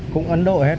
cũng ấn độ hết